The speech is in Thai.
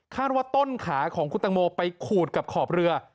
ว่าต้นขาของคุณตังโมไปขูดกับขอบเรือ